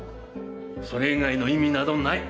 それ以外の意味などない。